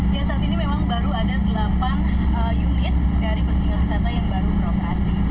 ya saat ini memang baru ada delapan unit dari bus lens jakarta yang baru dioperasikan